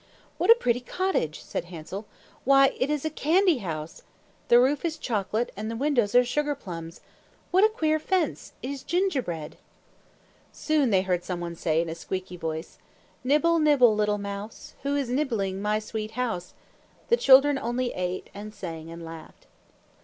"What a pretty cottage!" said Hansel. "Why, it is a candy house! The roof is chocolate, and the windows are sugar plums. What a queer fence! It is gingerbread!" Soon they heard some one say, in a squeaky voice, "Nibble, nibble, little mouse, Who is nibbling my sweet house?" The children only ate and sang and laughed.